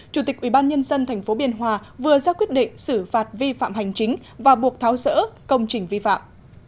chủ tịch ubnd tp biên hòa vừa ra quyết định xử phạt vi phạm hành chính và buộc tháo rỡ công trình vi phạm